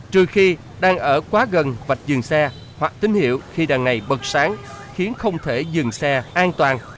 trừ khi đang ở quá gần vạch dừng xe hoặc tín hiệu khi đằng này bật sáng khiến không thể dừng xe an toàn